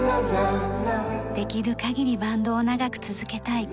できる限りバンドを長く続けたい。